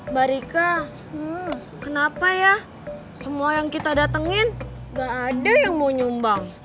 mbak rika kenapa ya semua yang kita datengin gak ada yang mau nyumbang